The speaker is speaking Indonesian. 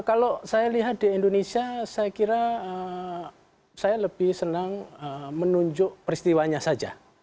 kalau saya lihat di indonesia saya kira saya lebih senang menunjuk peristiwanya saja